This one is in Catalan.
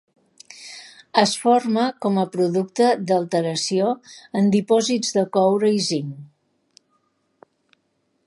Es forma com a producte d’alteració en dipòsits de coure i zinc.